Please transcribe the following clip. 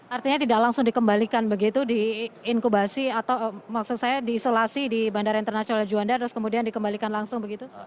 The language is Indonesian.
artinya tidak langsung dikembalikan begitu di inkubasi atau maksud saya diisolasi di bandara internasional juanda terus kemudian dikembalikan langsung begitu